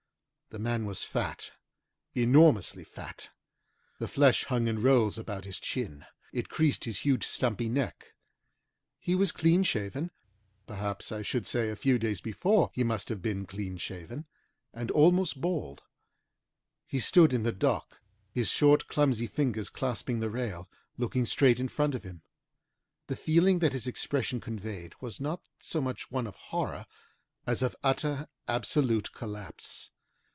The man was fat enormously fat. The flesh hung in rolls about his chin; it creased his huge, stumpy neck. He was clean shaven (perhaps I should say a few days before he must have been clean shaven) and almost bald. He stood in the dock, his short, clumsy fingers clasping the rail, looking straight in front of him. The feeling that his expression conveyed was not so much one of horror as of utter, absolute collapse.